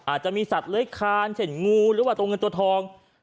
อาจจะมีสัตว์เลื้อยคานเช่นงูหรือว่าตัวเงินตัวทอง